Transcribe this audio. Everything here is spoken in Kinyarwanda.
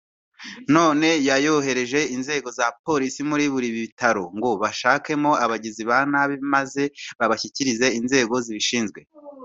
none yohereje inzengo za polisi muri buri bitaro ngo bashakemo abagizi ba nabi maze babashyikirize inzego zibishinzwe